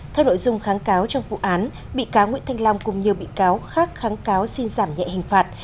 theo nội dung kháng cáo trong vụ án bị cáo nguyễn thanh long cùng nhiều bị cáo khác kháng cáo xin giảm nhẹ hình phạt